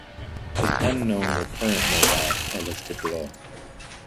The ten known recurrent novae are listed below.